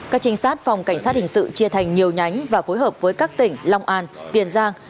các trinh sát phòng cảnh sát hình sự chia thành nhiều nhánh và phối hợp với các tỉnh long an tiền giang